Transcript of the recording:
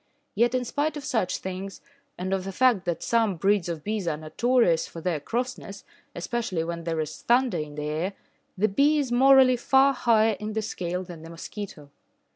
Yet in spite of such things, and of the fact that some breeds of bees are notorious for their crossness, especially when there is thunder in the air, the bee is morally far higher in the scale than the mosquito.